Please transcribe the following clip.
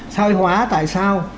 sõi hóa tại sao